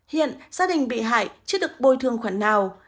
hiện gia đình bị hại chưa được bồi thương khoản nào